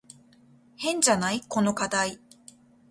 変じゃない？この課題。